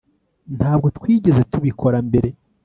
Ntabwo twigeze tubikora mbere